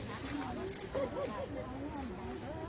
จากที่นี่